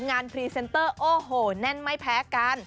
พรีเซนเตอร์โอ้โหแน่นไม่แพ้กัน